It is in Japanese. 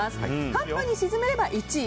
カップに沈めれば１位。